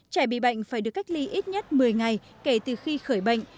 trẻ bị bệnh phải được cách ly ít nhất một mươi ngày kể từ khi khởi bệnh